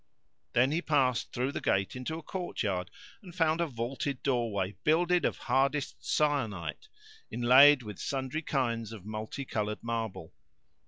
Then he passed through the gate into a courtyard and found a vaulted doorway builded of hardest syenite [FN#462] inlaid with sundry kinds of multi coloured marble.